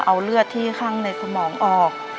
เอาเลือดที่ข้างในสมองออก